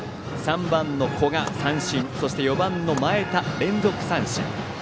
３番の古賀、三振そして４番、前田と連続三振。